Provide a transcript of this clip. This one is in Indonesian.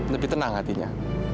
lebih tenang hatinya